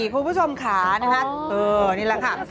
คุณผู้ชมขานะคะนี่แหละค่ะ